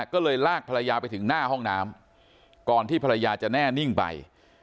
ก็เลยลากภรรยาไปถึงหน้าห้องน้ำก่อนที่ภรรยาจะแน่นิ่งไป